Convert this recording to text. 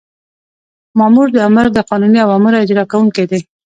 مامور د آمر د قانوني اوامرو اجرا کوونکی دی.